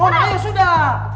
eh nona ya sudah